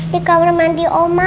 di kamar mandi oma